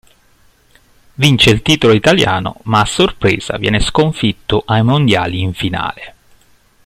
Vince il titolo italiano ma a sorpresa viene sconfitto ai mondiali in finale.